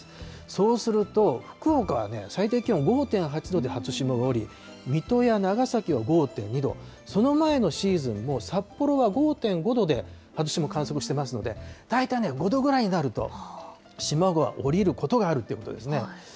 そうすると、福岡は最低気温５．８度、初霜が降り、水戸や長崎は５．２度、その前のシーズンも、札幌は５．５度で初霜観測してますので、大体５度ぐらいになると、霜が降りることがあるということですね。